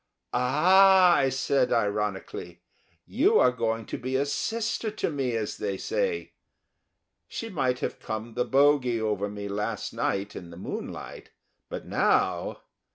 "Ah!" I said, ironically, "you are going to be a sister to me, as they say." She might have come the bogy over me last night in the moonlight, but now